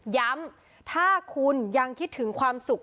ย้ำถ้าคุณยังคิดถึงความสุข